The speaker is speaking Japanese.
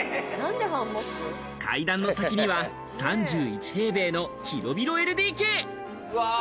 階段の先には３１平米の広々ＬＤＫ。